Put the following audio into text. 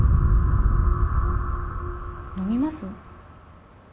飲みます？